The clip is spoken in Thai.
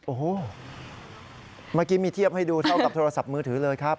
โอ้โหเมื่อกี้มีเทียบให้ดูเท่ากับโทรศัพท์มือถือเลยครับ